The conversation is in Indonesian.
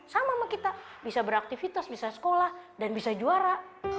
sama sama kita bisa beraktivitas bisa sekolah dan bisa juara